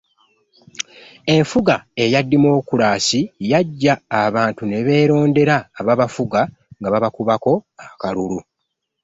Enfuga eya demokulaasi yajja abantu ne beerondera ababafuga nga babakubako akalulu.